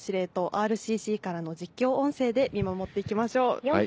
ＲＣＣからの実況音声で見守っていきましょう。